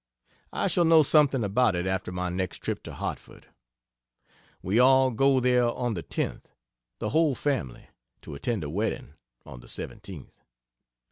I shall know something about it after my next trip to Hartford. We all go there on the 10th the whole family to attend a wedding, on the 17th.